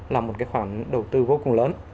là một cái khoản đầu tư vô cùng lớn